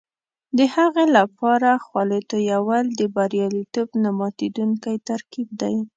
د هغې لپاره خولې تویول د بریالیتوب نه ماتېدونکی ترکیب دی.